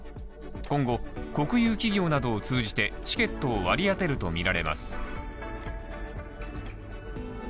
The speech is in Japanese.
今後、国有企業などを通じてチケットを割り当てるとみられます。